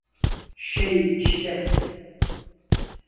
Şey işte…